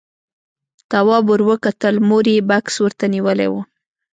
تواب ور وکتل، مور يې بکس ورته نيولی و.